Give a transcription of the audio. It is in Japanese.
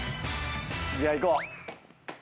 じゃあいこう。